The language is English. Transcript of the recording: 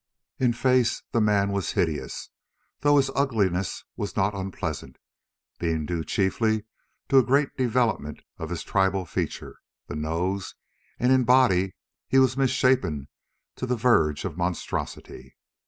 In face the man was hideous, though his ugliness was not unpleasant, being due chiefly to a great development of his tribal feature, the nose, and in body he was misshapen to the verge of monstrosity.